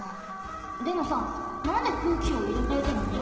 でもさなんで空気をいれかえてるの？